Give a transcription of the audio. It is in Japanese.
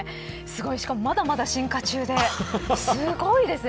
しかもまだまだ進化中ですごいですね。